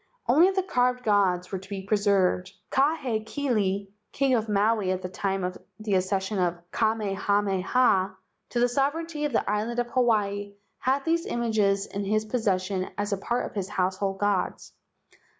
Only the carved gods were to be preserved. Kahekili, king of Maui at the time of the accession of Kamehameha to the sovereignty of the island Hawaii, had these images in his pos¬ session as a part of his household gods.